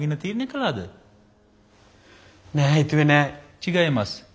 違います。